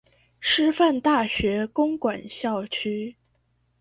師範大學公館校區